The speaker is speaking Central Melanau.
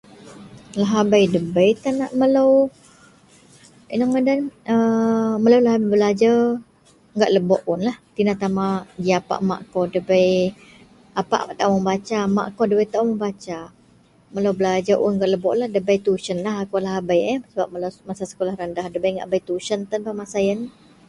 lahabei debei tan ngak tan melou, inou ngadan a melou belajer gak lebok unlah, tina tama ji apak mak kou debei , apak taau membaca mak kou debai taau membaca, melou belajer un gak lebok, debei tuysionlah akou lahabei, sebab melou masa sekolah rendah dabei ngak bei tuysion tan bah masa ien.